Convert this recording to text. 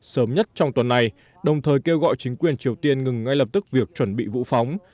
sớm nhất trong tuần này đồng thời kêu gọi chính quyền triều tiên ngừng ngay lập tức việc chuẩn bị vũ phóng